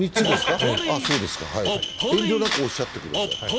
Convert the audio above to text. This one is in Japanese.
あ、そうですか、遠慮なくおっしゃってください。